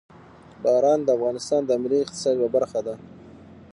باران د افغانستان د ملي اقتصاد یوه برخه ده.